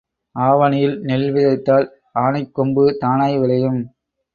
ஆவணியில் நெல் விதைத்தால் ஆனைக் கொம்பு தானாய் விளையும்.